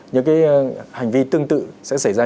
những hành vi tương tự sẽ xảy ra